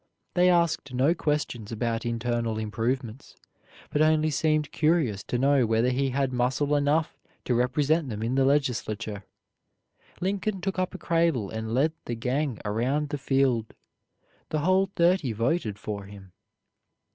They asked no questions about internal improvements, but only seemed curious to know whether he had muscle enough to represent them in the legislature. Lincoln took up a cradle and led the gang around the field. The whole thirty voted for him.